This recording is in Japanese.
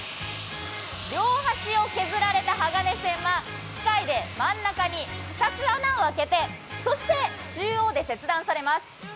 両端を削られた鋼線は機械で真ん中に２つ穴を開けてそして、中央で切断されます。